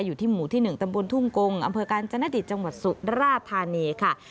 อยู่ที่หมู่ที่๑ตำบลทุ่งกงอำเภอกาญจนดิตจังหวัดสุราธานีค่ะ